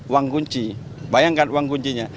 uang kunci bayangkan uang kuncinya